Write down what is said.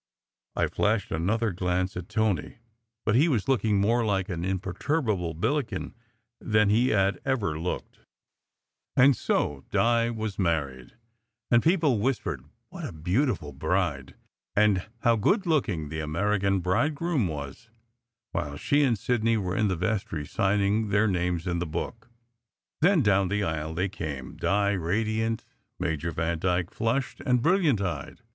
I flashed another glance at Tony but he was looking more like an imperturbable Billi ken than he had ever looked. SECRET HISTORY 187 And so Di was married, and people whispered what a beautiful bride, and how good looking the American bride groom was, while she and Sidney were in the vestry signing their names in the book. Then, down the aisle they came, Di radiant, Major Vandyke flushed and brilliant eyed.